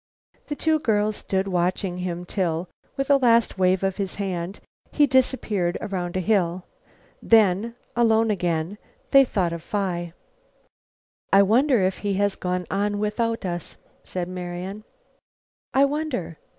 The two girls stood watching him till, with a last wave of his hand, he disappeared around a hill. Then, alone again, they thought of Phi. "I wonder if he has gone on without us," said Marian. "I wonder.